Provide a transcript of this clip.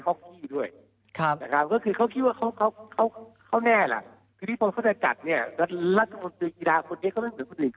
ก็คือเขาคิดว่าเขาแน่แหละที่ที่เขาจะจัดเนี่ยรัฐรัฐมนตรีกีฬาคนเด็กเขาไม่เหมือนคนหลีก